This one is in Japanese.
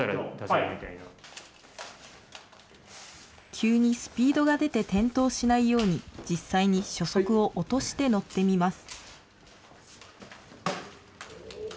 急にスピードが出て転倒しないように、実際に初速を落として乗ってみます。